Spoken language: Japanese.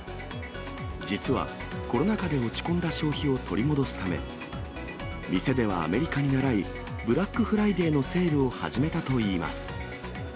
実は、コロナ禍で落ち込んだ消費を取り戻すため、店ではアメリカにならい、ブラックフライデーのセールを始めたといいます。